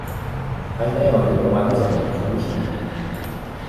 還沒有一個完整的雛型